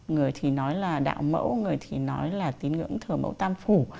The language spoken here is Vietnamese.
người thì nói là đạo mẫu người thì nói là tiến ngưỡng thở mẫu tam phủ